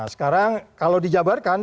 sekarang kalau dijabarkan